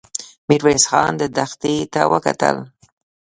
ميرويس خان دښتې ته وکتل.